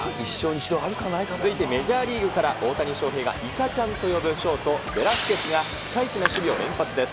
続いてメジャーリーグから大谷翔平がイカちゃんと呼ぶショート、ベラスケスがピカイチな守備を連発です。